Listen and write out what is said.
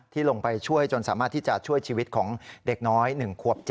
ที่ลงไปช่วยจนสามารถที่จะช่วยชีวิตของเด็กน้อยหนึ่งครับ